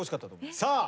さあ